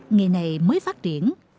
nghề này mới phát triển